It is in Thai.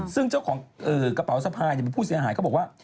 ซึ่งเจ้าของกระเป๋าสะพายเป็นผู้เสียหายเขาบอกว่า